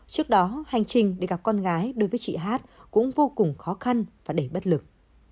trước đó hành trình để gặp con gái đối với chị hát cũng vô cùng khó khăn và đầy bất lực